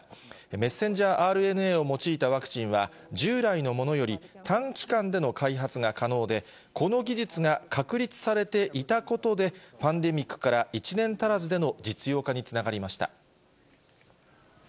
メッセンジャーＲＮＡを用いたワクチンは、従来のものより短期間での開発が可能で、この技術が確立されていたことで、パンデミックから１年足らずでの実用化につながりました。